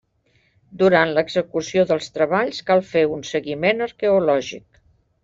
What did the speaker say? Durant l'execució dels treballs cal fer un seguiment arqueològic.